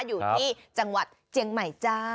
อยู่ที่จังหวัดเจียงใหม่จ้า